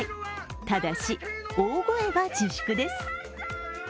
ただし、大声は自粛です。